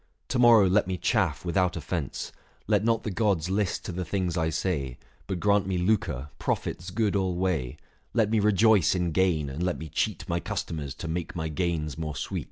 To morrow let me chaff without offence ; Let not the gods list to the things I say ; But grant me lucre, profits good alway ; Let me rejoice in gain, and let me cheat My customers to make my gains more sweet."